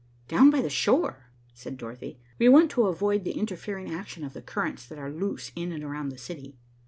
"Down by the shore," said Dorothy. "We want to avoid the interfering action of the currents that are loose in and around the city."